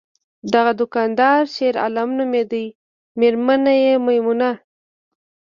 دغه دوکاندار شیرعالم نومیده، میرمن یې میمونه!